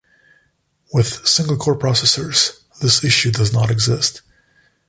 With single core processors, this issue does not exist.